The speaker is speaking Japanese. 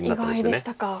意外でしたか。